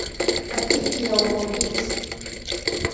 อกริเพียว โฮลดิ้งส์